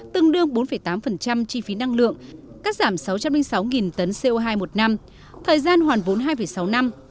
tương đương bốn tám chi phí năng lượng cắt giảm sáu trăm linh sáu tấn co hai một năm thời gian hoàn vốn hai sáu năm